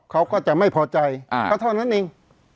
เขาก็จะไม่พอใจก็เท่านั้นเอง